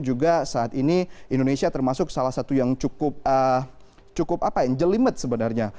juga saat ini indonesia termasuk salah satu yang cukup jelimet sebenarnya